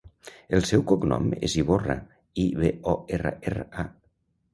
El seu cognom és Iborra: i, be, o, erra, erra, a.